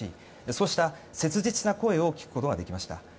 そうした切実な声を聞くことができました。